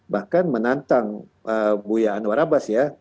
bahkan menantang buya anwar abbas ya